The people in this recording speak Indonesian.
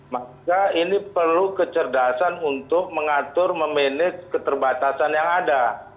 maka ini perlu kecerdasan untuk mengatur memanage keterbatasan yang ada